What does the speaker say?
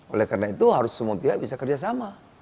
oleh karena itu harus semua pihak bisa kerjasama